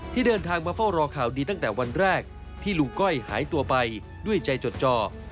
เดินทางมาเฝ้ารอข่าวดีตั้งแต่วันแรกที่ลุงก้อยหายตัวไปด้วยใจจดจอ